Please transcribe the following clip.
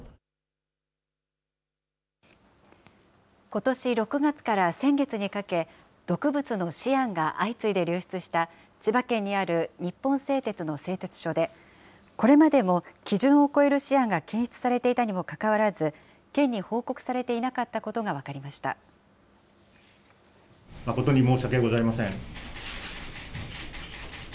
ことし６月から先月にかけ、毒物のシアンが相次いで流出した、千葉県にある日本製鉄の製鉄所で、これまでも基準を超えるシアンが検出されていたにもかかわらず、県に報告されていなかったことが誠に申し訳ございません。